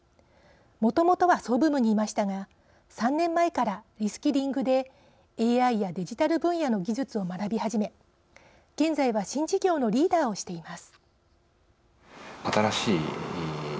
もともとは総務部にいましたが３年前からリスキリングでＡＩやデジタル分野の技術を学びはじめ、現在は新事業のリーダーをしています。